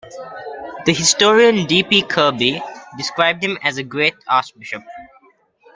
The historian D. P. Kirby described him as a "great" archbishop.